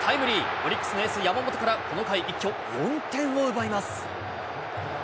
オリックスのエース、山本からこの回一挙４点を奪います。